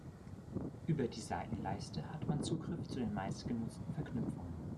Über die Seitenleiste hat man Zugriff zu den meistgenutzten Verknüpfungen.